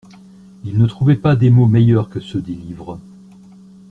Il ne trouvait pas des mots meilleurs que ceux des livres.